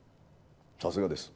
さすがです。